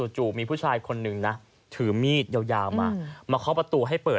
จู่มีผู้ชายคนหนึ่งนะถือมีดยาวมามาเคาะประตูให้เปิด